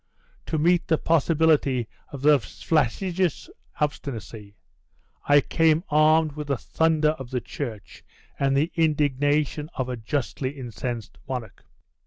To meet the possibility of this flagitious obstinacy, I came armed with the thunder of the church, and the indignation of a justly incensed monarch.